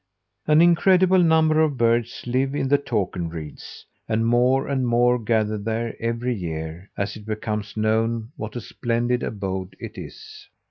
An incredible number of birds live in the Takern reeds; and more and more gather there every year, as it becomes known what a splendid abode it is.